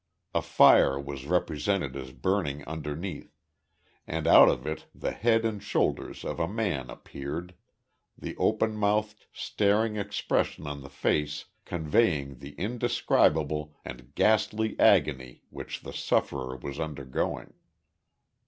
A fire was represented as burning underneath, and out of it the head and shoulders of a man appeared the open mouthed, staring expression on the face conveying the indescribable and ghastly agony which the sufferer was undergoing.